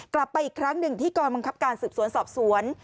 กลับไปอีกครั้งหนึ่งที่กรบังคับการสืบสวนสอบสวน